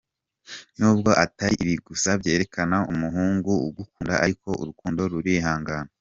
Nubwo atari ibi gusa byerekana umuhungu ugukunda ariko urukundo rurihangana.